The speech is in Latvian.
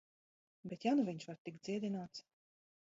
Bet ja nu viņš var tikt dziedināts...